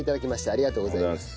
ありがとうございます。